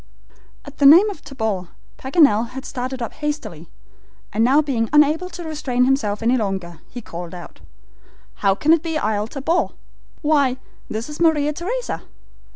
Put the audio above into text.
At the name of Tabor, Paganel had started up hastily, and now being unable to restrain himself longer, he called out: "How can it be Isle Tabor? Why, this is Maria Theresa!"